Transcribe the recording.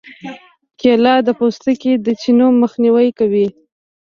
کېله د پوستکي د چینو مخنیوی کوي.